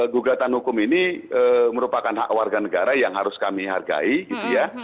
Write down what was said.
gugatan hukum ini merupakan hak warga negara yang harus kami hargai gitu ya